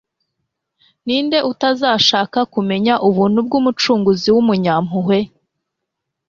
Ni nde utazashaka kumenya ubuntu bw'Umucunguzi w'umunyampuhwe?